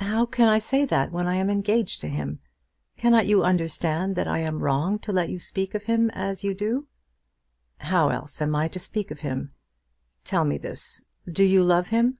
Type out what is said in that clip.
"How can I say that when I am engaged to him? Cannot you understand that I am wrong to let you speak of him as you do?" "How else am I to speak of him? Tell me this. Do you love him?"